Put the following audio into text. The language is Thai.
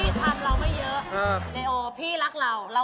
เตรียมก็เจ็บไม่เลโอ